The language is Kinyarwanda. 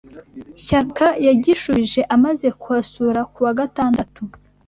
Shyaka yagishubije amaze kuhasura ku wa Gatandatu